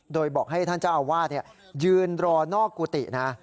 โดยบอกให้ท่านเจ้าอาวาสยืนรอนอกกุฏินะ